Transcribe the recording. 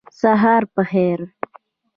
سهار په خیر